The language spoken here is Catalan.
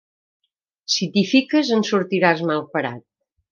Si t'hi fiques en sortiràs malparat.